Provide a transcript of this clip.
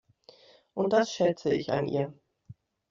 Und das schätze ich an ihr.